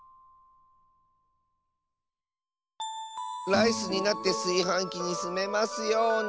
ライスになってすいはんきにすめますように。